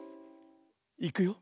いくよ。